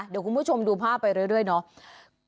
เดี๋ยวคุณผู้ชมดูภาพไปเรื่อยเนาะ